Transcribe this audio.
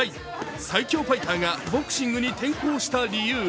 最強ファイターがボクシングに転向した理由。